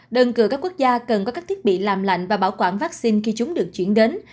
đơn cử các quốc gia cần có các thiết bị làm lạnh và bảo quản vaccine khi chúng được chuyển đến